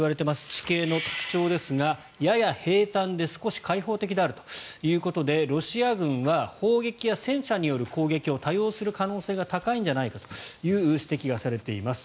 地形の特徴ですがやや平たんで少し開放的であるということでロシア軍は砲撃や戦車による攻撃を多用する可能性が高いんじゃないかという指摘がされています。